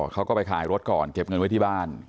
เขาก็ไปขายรถก่อนเก็บเงินไว้ที่บ้าน